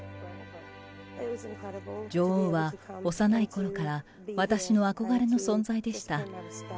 女王は、幼いころから、私の憧れの存在でした。